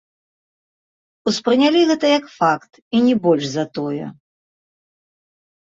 Успрынялі гэта як факт і не больш за тое.